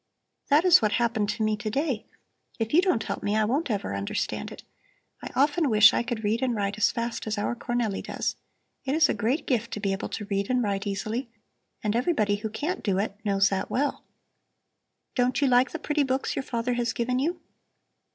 That is what happened to me to day. If you don't help me I won't ever understand it. I often wish I could read and write as fast as our Cornelli does. It is a great gift to be able to read and write easily, and everybody who can't do it knows that well. Don't you like the pretty books your father has given you?"